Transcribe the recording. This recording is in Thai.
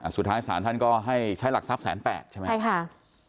สุดท้ายสถานท่านก็ให้ใช้หลักทรัพย์๑๐๘ใช่ไหม